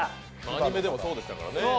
アニメでもそうでしたからね。